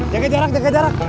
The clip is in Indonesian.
jaga jarak jaga jarak